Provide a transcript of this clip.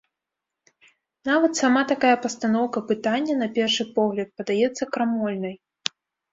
Нават сама такая пастаноўка пытання на першы погляд падаецца крамольнай.